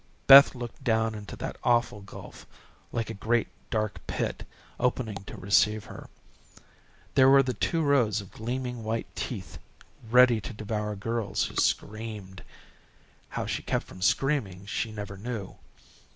Beth looked down into that awful gulf, like a great dark pit, opening to receive her. There were the two rows of gleaming white teeth ready to devour girls who screamed. How she kept from screaming she never knew.